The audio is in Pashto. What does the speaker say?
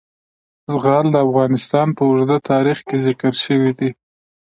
زغال د افغانستان په اوږده تاریخ کې ذکر شوی دی.